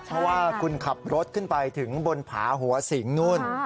เพราะว่าคุณขับรถขึ้นไปถึงบนผาหัวสิงนู่น